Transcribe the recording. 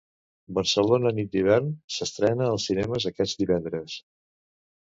“Barcelona nit d'hivern” s'estrena als cinemes aquest divendres.